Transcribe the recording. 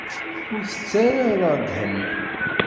Ur s-ttarra ara ddhen.